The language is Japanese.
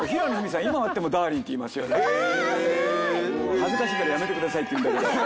「恥ずかしいからやめてください」って言うんだけど。